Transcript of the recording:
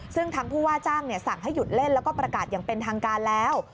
ซึ่งทางผู้ว่าจ้างสั่งให้หยุดเล่นแล้วก็ประกาศอย่างเป็นทางการแล้ว